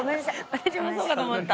私もそうかと思った。